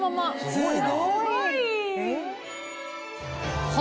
すごい！